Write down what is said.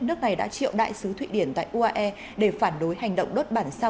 nước này đã triệu đại sứ thụy điển tại uae để phản đối hành động đốt bản sao